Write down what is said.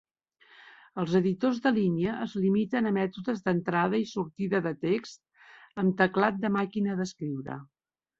Els editors de línia es limiten a mètodes d'entrada i sortida de text amb teclat de màquina d'escriure.